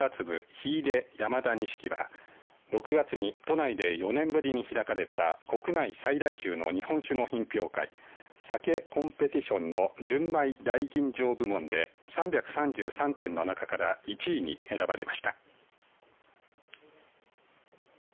火入れ山田錦は６月に都内で４年ぶりに開かれた国内最大級の日本酒の品評会ＳＡＫＥＣＯＭＰＥＴＩＴＩＯＮの純米大吟醸部門で３３３点の中から１位に選ばれました。